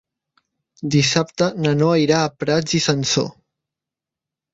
Dissabte na Noa irà a Prats i Sansor.